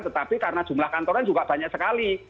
tetapi karena jumlah kantoran juga banyak sekali